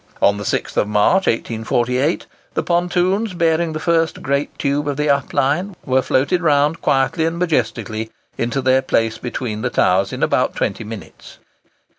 On the 6th March, 1848, the pontoons bearing the first great tube of the up line were floated round quietly and majestically into their place between the towers in about twenty minutes.